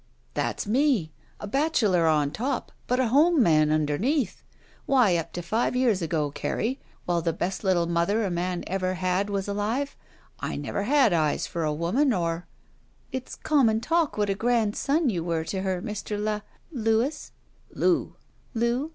"That's me! A bachelor on top, but a home man imdemeath. Why, up to five years ago, Carrie, while the best little mother a man ever had was alive, I never had eyes for a woman or —" "It's common talk what a grand son you were to her, Mr. La — Louis —" "Loo."